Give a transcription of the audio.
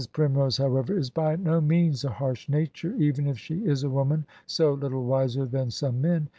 Primrose, however, is by no means a harsh nature, even if she is a woman so little wiser than some men.